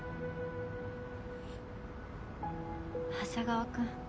長谷川君。